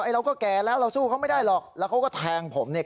เราก็แก่แล้วเราสู้เขาไม่ได้หรอกแล้วเขาก็แทงผมเนี่ย